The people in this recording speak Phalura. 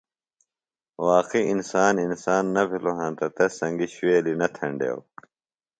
واقعی انسان، انسان نہ بِھلوۡ ہینتہ تس سنگیۡ شُوویلیۡ نہ تھینڈیوۡ